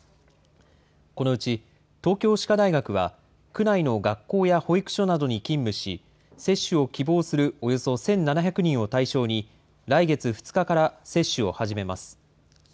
このうち東京歯科大学は、区内の学校や保育所などに勤務し、接種を希望するおよそ１７００人を対象に、来月２日から接種を始めます。